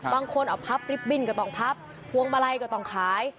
บางคนเอาพับริบบิ้นก็ต้องพับพวงมาลัยก็ต้องขาย